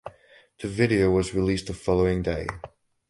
The video was released the following day.